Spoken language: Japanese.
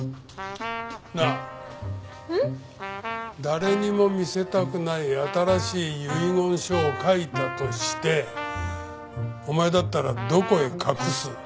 誰にも見せたくない新しい遺言書を書いたとしてお前だったらどこへ隠す？